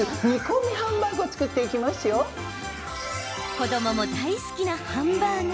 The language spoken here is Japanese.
子どもも大好きなハンバーグ。